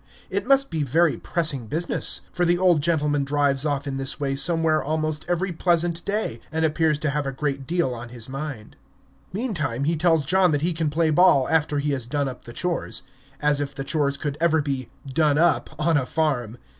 It must be very pressing business, for the old gentleman drives off in this way somewhere almost every pleasant day, and appears to have a great deal on his mind. Meantime, he tells John that he can play ball after he has done up the chores. As if the chores could ever be "done up" on a farm.